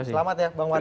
selamat ya bang wadani